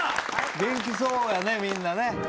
元気そうやねみんなね。